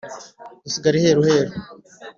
dusigara iheruheru